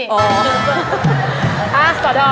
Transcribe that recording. สวัสดีค่ะ